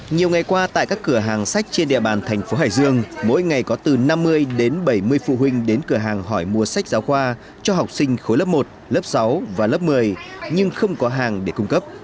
nhiều ngày qua tại các cửa hàng sách trên địa bàn thành phố hải dương mỗi ngày có từ năm mươi đến bảy mươi phụ huynh đến cửa hàng hỏi mua sách giáo khoa cho học sinh khối lớp một lớp sáu và lớp một mươi nhưng không có hàng để cung cấp